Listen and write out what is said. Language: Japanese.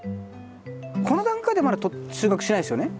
この段階ではまだ収穫しないですよね。